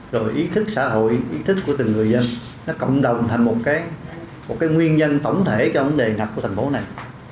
rồi ý thức xã hội ý thức của từng người dân nó cộng đồng thành một cái nguyên nhân tổng thể cho vấn đề ngập của thành phố này